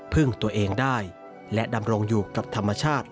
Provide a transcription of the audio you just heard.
พึ่งตัวเองได้และดำรงอยู่กับธรรมชาติ